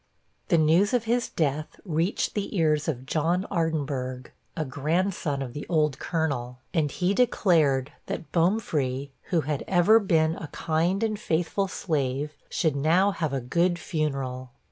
The news of his death reached the ears of John Ardinburgh, a grandson of the old Colonel; and he declared that 'Bomefree, who had ever been a kind and faithful slave, should now have a good funeral.'